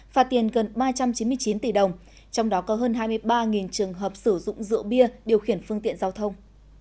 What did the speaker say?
phạt tiền gần ba trăm chín mươi chín tỷ đồng trong đó có hơn hai mươi ba trường hợp sử dụng rượu bia điều khiển phương tiện giao thông